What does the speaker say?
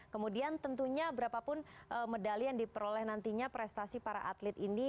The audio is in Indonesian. kemudian tentunya berapapun medali yang diperoleh nantinya prestasi para atlet ini